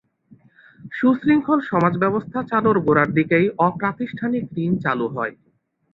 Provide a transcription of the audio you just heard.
সুশৃঙ্খল সমাজব্যবস্থা চালুর গোড়ার দিকেই অপ্রাতিষ্ঠানিক ঋণ চালু হয়।